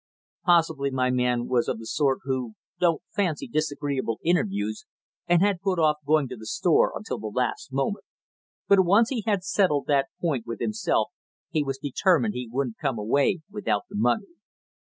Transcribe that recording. Possibly my man was of the sort who don't fancy disagreeable interviews and had put off going to the store until the last moment, but once he had settled that point with himself he was determined he wouldn't come away without the money.